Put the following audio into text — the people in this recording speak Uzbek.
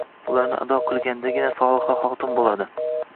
Ularni ado qilganidagina soliha xotin bo‘ladi.